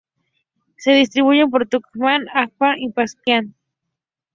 Se distribuye por Turkmenistán, Afganistán y Pakistán.